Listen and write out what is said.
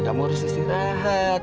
kamu harus istirahat